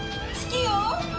好きよ！